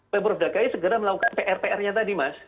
pemurah dagai segera melakukan pr pr nya tadi mas